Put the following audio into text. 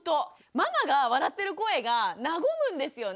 ママが笑ってる声が和むんですよね。